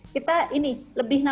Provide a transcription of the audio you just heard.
kita ini lebih nama